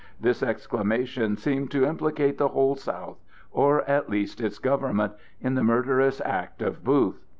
This exclamation seemed to implicate the whole South, or at least its government, in the murderous act of Booth.